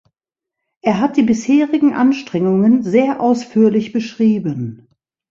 Er hat die bisherigen Anstrengungen sehr ausführlich beschrieben.